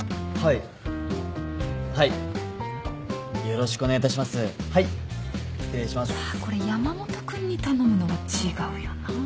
いやこれ山本君に頼むのは違うよな。